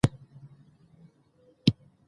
قومونه د افغانستان د جغرافیوي تنوع مثال دی.